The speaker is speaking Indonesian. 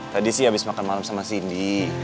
tadi sih abis makan malam sama si indi